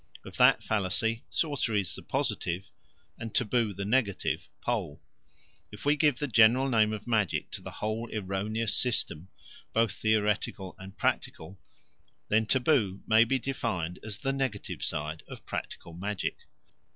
Of that fallacy, sorcery is the positive, and taboo the negative pole. If we give the general name of magic to the whole erroneous system, both theoretical and practical, then taboo may be defined as the negative side of practical magic.